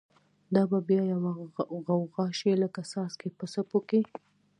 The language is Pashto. دا به بیا یوه غوغاشی، لکه څاڅکی په څپو کی